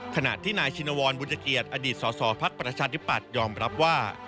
ขณะที่นายชินวรบุญเกียรติอดีตสสพักประชาธิปัตยอมรับว่า